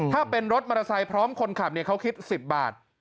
ถ้าเป็นรถมอเตอร์ไซค์พร้อมคนขับเขาคิด๑๐บาท